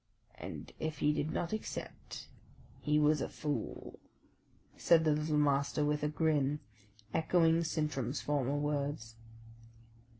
"And if he did not accept, he was a fool," said the little Master, with a grin, echoing Sintram's former words.